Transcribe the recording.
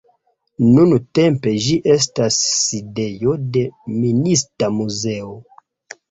Nuntempe ĝi estas sidejo de Minista muzeo.